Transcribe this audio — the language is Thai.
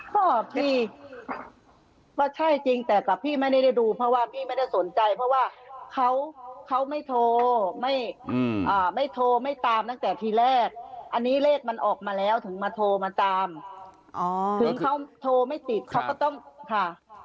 ก็พี่ว่าใช่จริงแต่กับพี่ไม่ได้ดูเพราะว่าพี่ไม่ได้สนใจเพราะว่าเขาไม่โทรไม่โทรไม่ตามตั้งแต่ทีแรกอันนี้เลขมันออกมาแล้วถึงมาโทรมาตามถึงเขาโทรไม่ติดเขาก็ต้องค่ะ